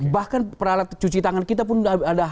bahkan peralatan cuci tangan kita pun ada